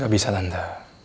gak bisa tante